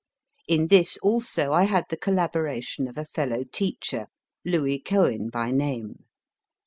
In this also I had the collaboration of a fellow teacher, Louis Covven by name.